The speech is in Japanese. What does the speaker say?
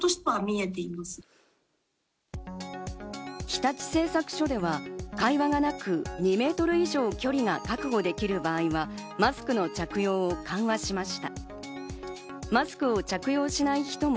日立製作所では会話がなく、２メートル以上距離が確保できる場合はマスクの着用を緩和しまし